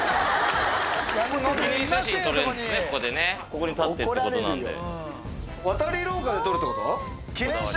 ここに立ってってことなんで。